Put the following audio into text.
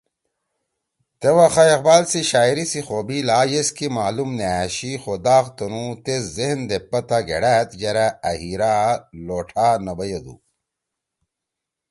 تے وخا اقبال سی شاعری سی خوبی لا یسکے معلُوم نہ أشی خو داغ تنُو تیز ذہن دے پتہ گھیڑأد یرأ أ ہیرا لوٹھا نہ بیَدُو